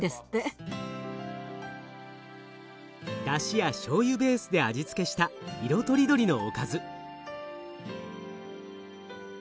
だしやしょうゆベースで味付けした色とりどりのおかず。